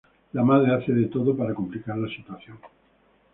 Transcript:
La madre hace de todo para complicar la situación.